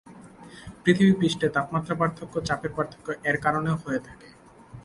পৃথিবীর পৃষ্ঠের তাপমাত্রা পার্থক্য চাপের পার্থক্য এর কারণেও হয়ে থাকে।